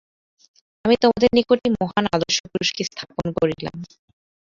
আমি তোমাদের নিকট এই মহান আদর্শ পুরুষকে স্থাপন করিলাম।